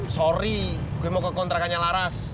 sorry gue mau ke kontrakannya laras